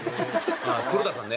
黒田さんね。